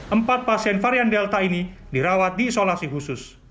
empat pasien varian delta ini dirawat di isolasi khusus